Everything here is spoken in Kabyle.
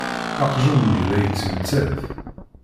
Aqjun-nni la yettmettat.